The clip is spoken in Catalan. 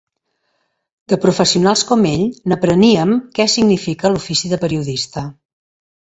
De professionals com ell n'apreníem què significa l'ofici de periodista.